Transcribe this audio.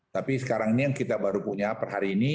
tapi sekarang ini yang kita baru punya per hari ini